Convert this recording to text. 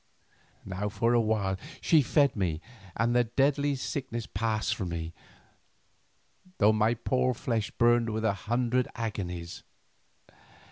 Now for a while she fed me and the deadly sickness passed from me, though my poor flesh burned with a hundred agonies.